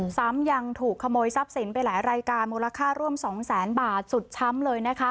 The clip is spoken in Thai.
ซ้ำยังถูกขโมยทรัพย์สินไปหลายรายการมูลค่าร่วม๒แสนบาทสุดช้ำเลยนะคะ